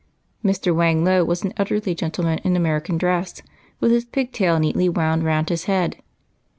Mr. Whang Lo was an elderly gentleman in Ameri can costume, with his pig tail neatly wound round his head.